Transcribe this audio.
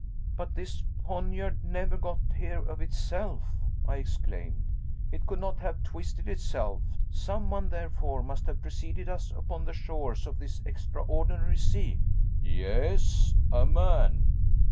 "But this poniard never got here of itself," I exclaimed, "it could not have twisted itself. Someone, therefore, must have preceded us upon the shores of this extraordinary sea." "Yes, a man."